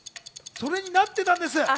それになってたんです。